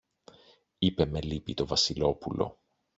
είπε με λύπη το Βασιλόπουλο.